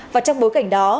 và trong bối cảnh đó